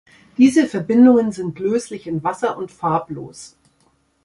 Diese Verbindungen sind löslich in Wasser und farblos.